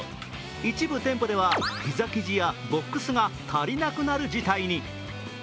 一部店舗ではピザ生地やボックスが足りなくなる事態に。